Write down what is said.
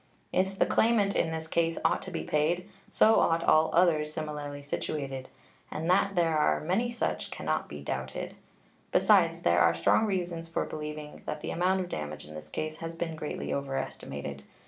If the claimant in this case ought to be paid, so ought all others similarly situated; and that there are many such can not be doubted. Besides, there are strong reasons for believing that the amount of damage in this case has been greatly overestimated.